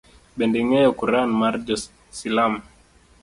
Bende ing’eyo kuran mar jo silam